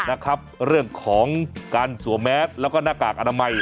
นะครับเรื่องของการสวมแมสแล้วก็หน้ากากอนามัย